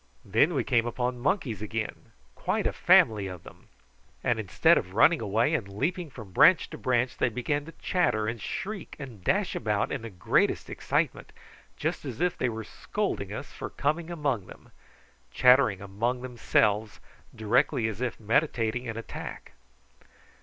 Then we came upon monkeys again, quite a family of them, and instead of running away and leaping from branch to branch they began to chatter and shriek and dash about in the greatest excitement, just as if they were scolding us for coming among them, chattering among themselves directly after as if meditating an attack.